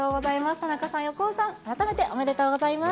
田中さん、横尾さん、まとめておめでとうございます。